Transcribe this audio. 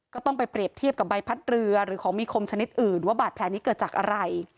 ก็ต้องไปเปรียบเทียบกับใบพัดเรือหรือของมีคมชนิดอื่นว่าบาดแผลนี้เกิดจากอะไร